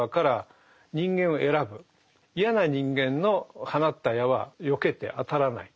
嫌な人間の放った矢はよけて当たらない。